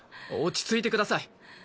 落ち着いてください。